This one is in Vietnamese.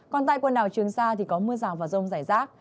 còn tại quần đảo trường sa thì có mưa rào và rông rải rác